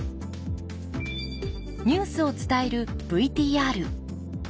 ニュースを伝えるＶＴＲ。